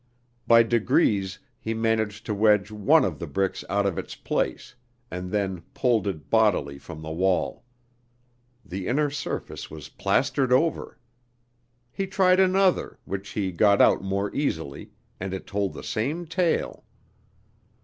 By degrees he managed to wedge one of the bricks out of its place, and then pulled it bodily from the wall. The inner surface was plastered over. He tried another, which he got out more easily, and it told the same tale.